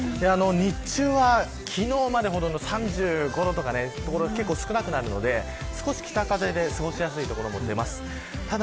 日中は昨日までほどの３５度とかの所は結構少なくなるので少し北風で過ごしやすい所も出ます。